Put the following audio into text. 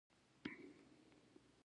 خو ګاندي له حکمت څخه هم کار اخیست.